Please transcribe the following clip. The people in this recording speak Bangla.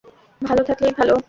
ভালো থাকলেই ভালো।